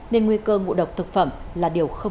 nên nguy cơ ngộ độc thực phẩm là điều không